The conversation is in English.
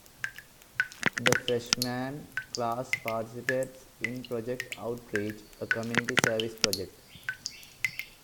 The freshman class participates in Project Outreach, a community service project.